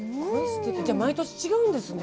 じゃあ毎年違うんですね。